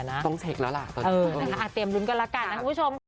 เออเตรียมรุมกันแล้วกันนะคุณผู้ชม